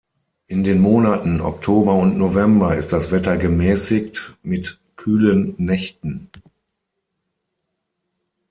In den Monaten Oktober und November ist das Wetter gemäßigt mit kühlen Nächten.